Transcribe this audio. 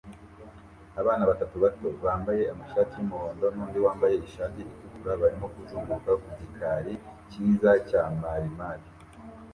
Abana batatu bato bambaye amashati yumuhondo nundi wambaye ishati itukura barimo kuzunguruka ku gikari cyiza cya marimari